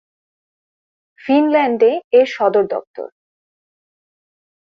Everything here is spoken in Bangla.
ফিনল্যান্ডে এর সদর দপ্তর।